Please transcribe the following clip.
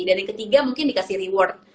dan yang ketiga mungkin dikasih reward